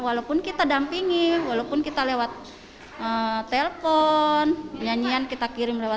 walaupun kita dampingi walaupun kita lewat telpon nyanyian kita kirim lewat